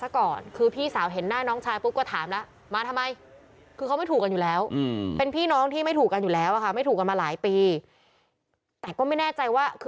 ก็เลยจะมาทาตัวคนงานไปตรวจ